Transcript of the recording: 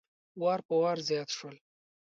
وار په وار زیات شول.